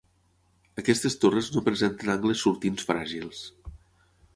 Aquestes torres no presenten angles sortints fràgils.